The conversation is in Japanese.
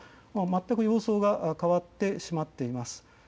全く様相が変わってしまっています。